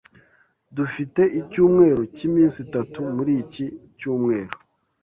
Dufite icyumweru cyiminsi itatu muri iki cyumweru.